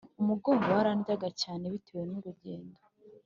Umugongo warandyaga cyane bitewe n urugendo